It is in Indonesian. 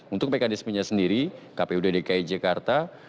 untuk mekanismenya sendiri kpu dki jakarta